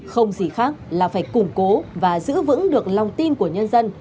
không gì khác là phải củng cố và giữ vững được lòng tin của nhân dân